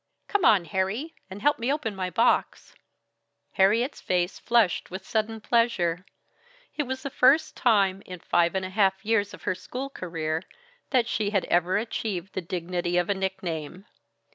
"Come on, Harry! And help me open my box." Harriet's face flushed with sudden pleasure; it was the first time, in the five and a half years of her school career, that she had ever achieved the dignity of a nickname.